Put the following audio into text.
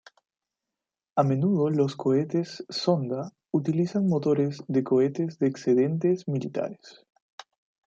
A menudo los cohetes sonda utilizan motores de cohetes de excedentes militares.